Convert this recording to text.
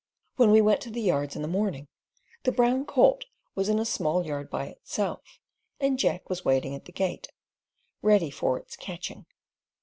When we went up to the yards in the morning, the brown colt was in a small yard by itself, and Jack was waiting at the gate, ready for its "catching."